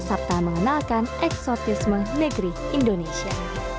serta mengenalkan eksotisme negeri indonesia